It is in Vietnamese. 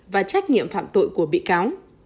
và trách nhiệm phạm tội của bị cáo